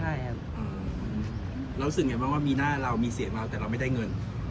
ใช่ครับเรารู้สึกไงบ้างว่ามีหน้าเรามีเสียงเราแต่เราไม่ได้เงิน